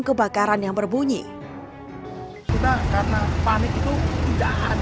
kebakaran yang berbunyi kita karena panik itu tidak ada bunyi alam sehingga kita bisa